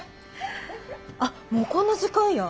あっもうこんな時間や。